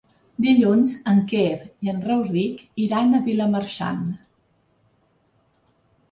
Dilluns en Quer i en Rauric iran a Vilamarxant.